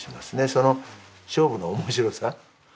その勝負の面白さ。